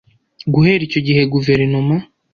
guhera icyo gihe guverinoma